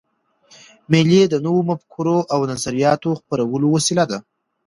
مېلې د نوو مفکورو او نظریاتو خپرولو وسیله ده.